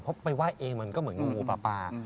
เพราะไปไหว้เองมันก็เหมือนงูปลา